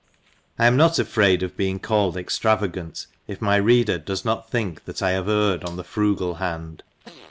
I am not afraid of being called extravagant^ if my reader does not think that I have erred oa the frugal hand.